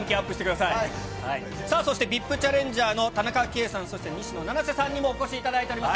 さあ、そしてＶＩＰチャレンジャーの田中圭さん、そして、西野七瀬さんにもお越しいただいています。